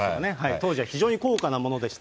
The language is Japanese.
当時は非常に高価なものでした。